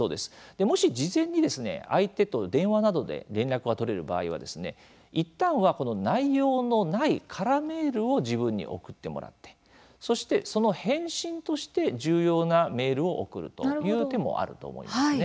もし事前に、相手と電話などで連絡が取れる場合はいったんは内容のない空メールを自分に送ってもらってそして、その返信として重要なメールを送るという手もあると思うんです。